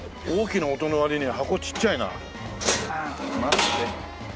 大きな音の割には箱ちっちゃいな。